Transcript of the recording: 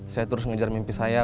saya terus mengejar mimpi saya